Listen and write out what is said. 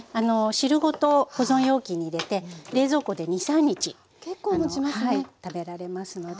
汁ごと保存容器に入れて冷蔵庫で２３日食べられますので。